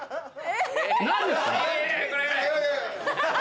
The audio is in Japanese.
何ですか？